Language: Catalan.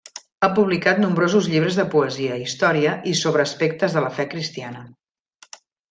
Ha publicat nombrosos llibres de poesia, història i sobre aspectes de la fe cristiana.